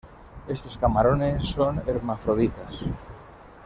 Estos camarones son hermafroditas.